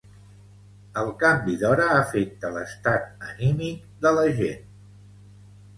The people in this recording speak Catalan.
El canvi d'hora afecta l'estat anímic de la gent.